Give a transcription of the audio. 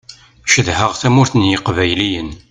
Cedhaɣ tamurt n yiqbayliyen.